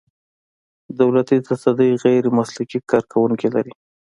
دولتي تصدۍ غیر مسلکي کارکوونکي لري.